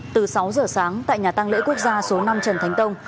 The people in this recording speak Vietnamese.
từ sáu giờ sáng tại nhà tăng lễ quốc gia số năm trần thánh tông